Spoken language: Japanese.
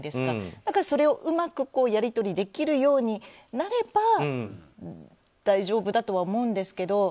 だから、それをうまくやり取りできるようになれば大丈夫だとは思うんですけど。